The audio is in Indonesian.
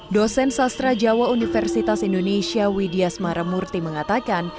dosen sastra jawa universitas indonesia widyas maramurti mengatakan